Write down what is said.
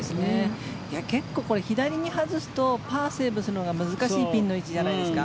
結構これ、左に外すとパーをセーブするのが難しいピンの位置じゃないですか。